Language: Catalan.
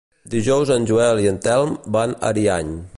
Dijous en Joel i en Telm van a Ariany.